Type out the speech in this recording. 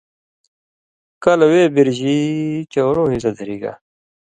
کلہۡ وے بِرژی چؤرؤں حصہ دھری گا